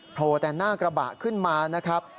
โผล่แต่หน้ากระบะขึ้นมานะครับ